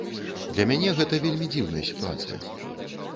Для мяне гэта вельмі дзіўная сітуацыя.